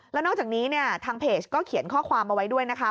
แล้วนอกจากนี้เนี่ยทางเพจก็เขียนข้อความเอาไว้ด้วยนะคะ